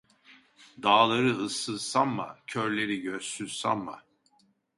Dağları ıssız sanma, körleri gözsüz sanma.